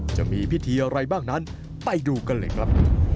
จะมีพิธีอะไรบ้างนั้นไปดูกันเลยครับ